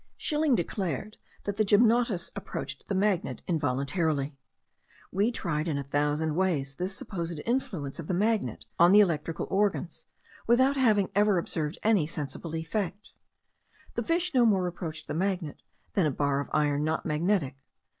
Schilling declared that the gymnotus approached the magnet involuntarily. We tried in a thousand ways this supposed influence of the magnet on the electrical organs, without having ever observed any sensible effect. The fish no more approached the magnet, than a bar of iron not magnetic.